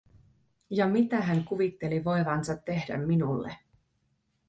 Ja mitä hän kuvitteli voivansa tehdä minulle?